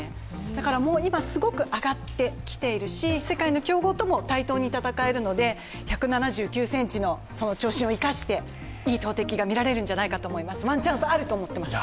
だから今、すごく上がってきているし世界の強豪とも対等に戦えるので、１７９ｃｍの長身を生かしていい投てきが見られるんじゃないかと思っています。